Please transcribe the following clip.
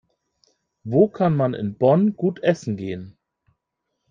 Wo kann man in Bonn gut essen gehen?